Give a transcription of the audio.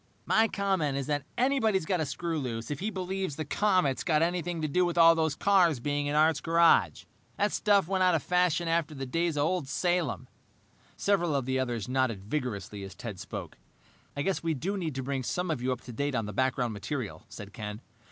"My comment is that anybody's got a screw loose if he believes the comet's got anything to do with all those cars being in Art's garage. That stuff went out of fashion after the days of old Salem." Several of the others nodded vigorously as Ted spoke. "I guess we do need to bring some of you up to date on the background material," said Ken.